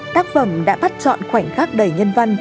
tác phẩm đã bắt chọn khoảnh khắc đầy nhân văn